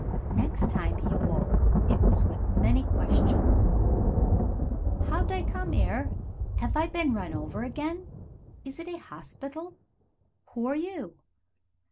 Next time he awoke it was with many questions. "How'd I come 'ere? 'Ave I bin run over agen? Is it a hospital? Who are you?"